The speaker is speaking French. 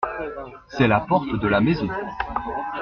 C’est la porte de la maison.